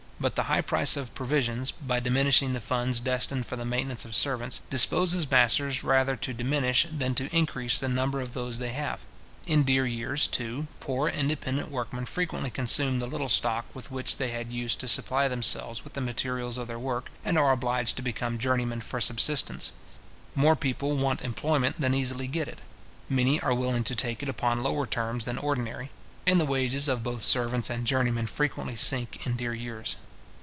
But the high price of provisions, by diminishing the funds destined for the maintenance of servants, disposes masters rather to diminish than to increase the number of those they have. In dear years, too, poor independent workmen frequently consume the little stock with which they had used to supply themselves with the materials of their work, and are obliged to become journeymen for subsistence. More people want employment than easily get it; many are willing to take it upon lower terms than ordinary; and the wages of both servants and journeymen frequently sink in dear years.